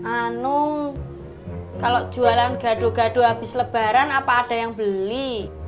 anu kalau jualan gado gado habis lebaran apa ada yang beli